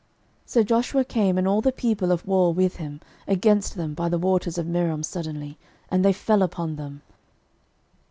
06:011:007 So Joshua came, and all the people of war with him, against them by the waters of Merom suddenly; and they fell upon them.